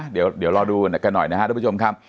เดี๋ยวรอดูกันหน่อยนะครับทุกผู้ชมครับ